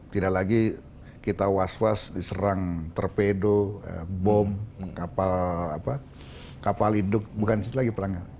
tidak lagi kita was was diserang torpedo bom kapal hidup bukan lagi pelanggan